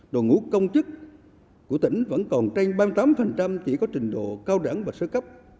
đồ ngũ công chức của tỉnh vẫn còn tranh ba mươi tám chỉ có trình độ cao đẳng và sơ cấp